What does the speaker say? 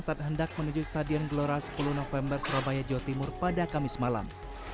saat hendak menuju stadion gelora sepuluh november surabaya jawa timur pada kamis malam